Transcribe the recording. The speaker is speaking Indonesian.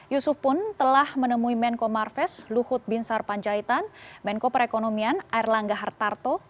yusuf pun telah menemui menko marves luhut binsar panjaitan menko perekonomian air langga hartarto